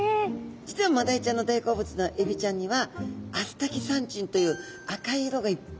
実はマダイちゃんの大好物のエビちゃんにはアスタキサンチンという赤い色がいっぱいふくまれてまして。